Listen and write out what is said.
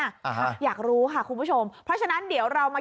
อ่าฮะอยากรู้ค่ะคุณผู้ชมเพราะฉะนั้นเดี๋ยวเรามา